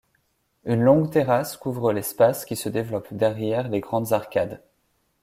Une longue terrasse couvre l'espace qui se développe derrière les grandes arcades.